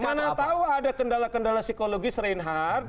mana tahu ada kendala kendala psikologis reinhardt